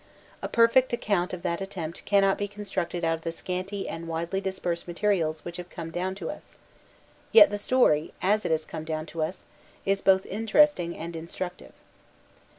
A perfect account of that attempt cannot be constructed out of the scanty and widely dispersed materials which have come down to us. Yet the story, as it has come down to us, is both interesting and instructive.